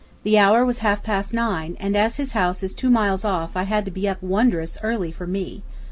The hour was halfpast nine, and as his house is two miles off I had to be up wondrous early for me.